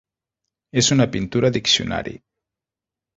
És una pintura diccionari.